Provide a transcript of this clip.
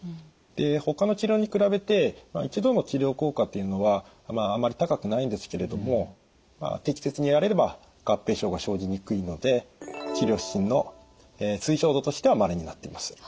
でほかの治療に比べて一度の治療効果っていうのはあまり高くないんですけれども適切にやれれば合併症が生じにくいので治療指針の推奨度としては○になっています。